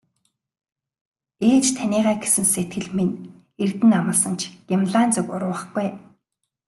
Ээж таныгаа гэсэн сэтгэл минь эрдэнэ амласан ч Гималайн зүг урвахгүй ээ.